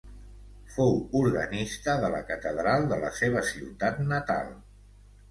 Fou organista de la catedral de la seva ciutat natal.